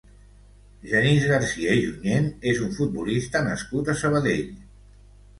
Genís Garcia i Junyent és un futbolista nascut a Sabadell.